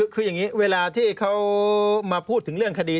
คืออย่างนี้เวลาที่เขามาพูดถึงเรื่องคดี